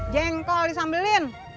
jengkol di sambelin